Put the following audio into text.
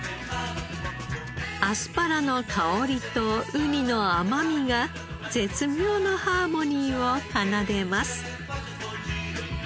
アスパラの香りとウニの甘みが絶妙のハーモニーを奏でます。